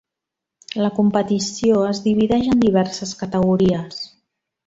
La competició es divideix en diverses categories.